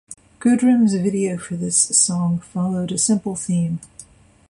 Goodrem's video for this song followed a simple theme.